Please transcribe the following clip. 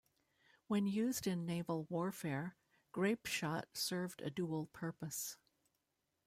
When used in naval warfare, grapeshot served a dual purpose.